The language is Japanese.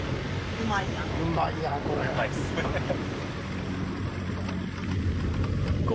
うまいやん。